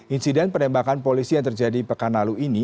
insiden penembakan polisi yang terjadi pekan lalu ini